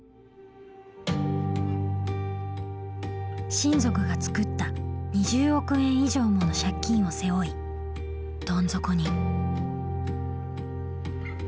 親族が作った２０億円以上もの借金を背負いどん底に。